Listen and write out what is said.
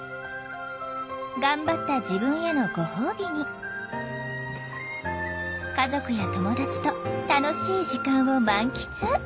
頑張った自分へのご褒美に家族や友達と楽しい時間を満喫。